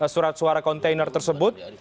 surat suara kontainer tersebut